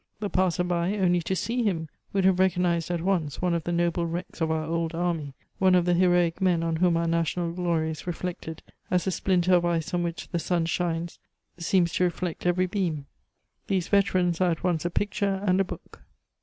The passer by, only to see him, would have recognized at once one of the noble wrecks of our old army, one of the heroic men on whom our national glory is reflected, as a splinter of ice on which the sun shines seems to reflect every beam. These veterans are at once a picture and a book.